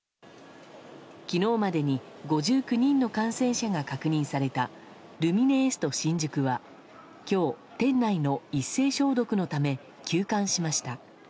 昨日までに５９人の感染者が確認されたルミネエスト新宿は今日、店内の一斉消毒のため休館しました。